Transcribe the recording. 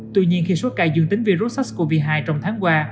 tuy nhiên khi số ca dương tính với virus sars cov hai trong tháng qua